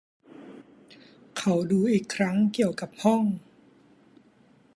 เขาดูอีกครั้งเกี่ยวกับห้อง